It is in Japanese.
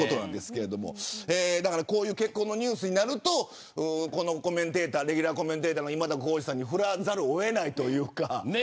こういう結婚のニュースになるとレギュラーコメンテーターの今田さんに振らざるを得ないというか。